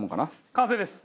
完成です。